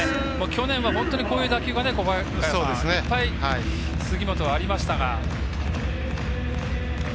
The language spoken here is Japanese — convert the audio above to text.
去年は本当にこういう打球がいっぱい杉本はありましたが。